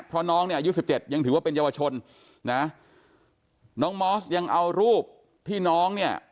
เพราะน้องเนี่ยอายุสิบเจ็ดยังถือว่าเป็นเยาวชนนะน้องมอสยังเอารูปที่น้องเนี่ย